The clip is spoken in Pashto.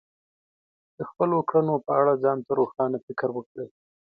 د خپلو کړنو په اړه ځان ته روښانه فکر وکړئ.